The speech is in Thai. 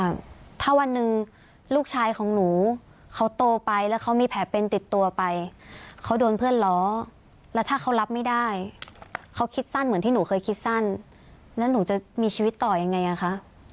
ว่าถ้าวันหนึ่งลูกชายของหนูเขาโตไปแล้วเขามีแผลเป็นติดตัวไปเขาโดนเพื่อนล้อแล้วถ้าเขารับไม่ได้เขาคิดสั้นเหมือนที่หนูเคยคิดสั้นแล้วหนูจะมีชีวิตต่อยังไงอ่ะคะ